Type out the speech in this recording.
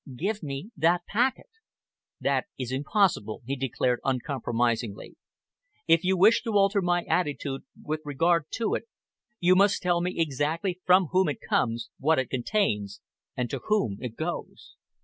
Give me that packet." "That is impossible," he declared uncompromisingly. "If you wish to alter my attitude with regard to it, you must tell me exactly from whom it comes, what it contains, and to whom it goes."